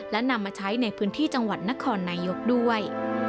และนำมาใช้ในพื้นที่จังหวัดนครนายกด้วย